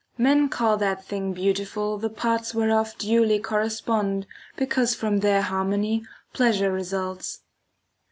Men call that thing beautiful the parts whereof duly correspond, because from their harmony pleasure results.